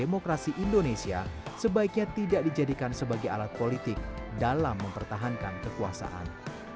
demokrasi indonesia sebaiknya tidak dijadikan sebagai alat politik dalam mempertahankan kekuasaan